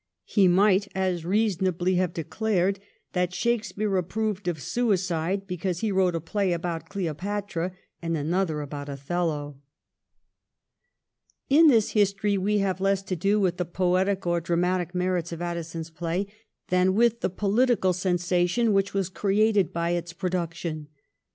He might as reasonably have declared that Shakespeare approved of suicide because he wrote a play about ' Cleopatra ' and an other about ' Othello.' 1713 A CROWDED HOUSE. 283 In this history we have less to do with the poetic or dramatic merits of Addison's play than with the political sensation which was created by its pro duction.